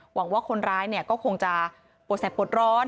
หวังว่าคนร้ายก็คงจะปวดแสบปวดร้อน